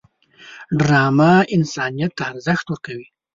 ډرامه انسانیت ته ارزښت ورکوي